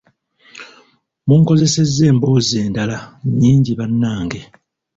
Munkozesezza emboozi endala nnyingi bannange.